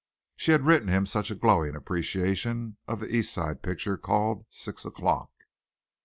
She had written him such a glowing appreciation of the East Side picture called "Six O'clock."